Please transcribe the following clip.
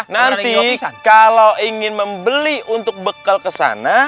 nanti kalau ingin membeli untuk bekal ke sana